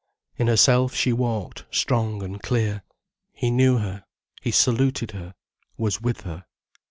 In herself she walked strong and clear, he knew her, he saluted her, was with her.